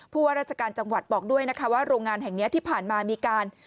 ว่าราชการจังหวัดบอกด้วยนะคะว่าโรงงานแห่งนี้ที่ผ่านมามีการ